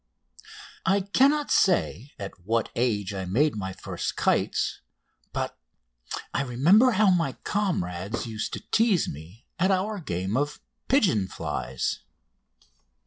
I cannot say at what age I made my first kites, but I remember how my comrades used to tease me at our game of "Pigeon flies!"